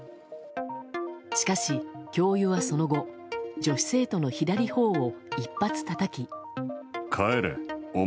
しかし、教諭はその後女子生徒の左頬を１発たたき。